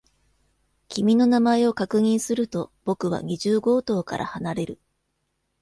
君の名前を確認すると、僕は二十号棟から離れる。